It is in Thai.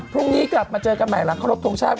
พรุ่งนี้กลับมาเจอกันใหม่หลังครบทรงชาติ